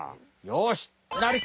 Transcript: よし！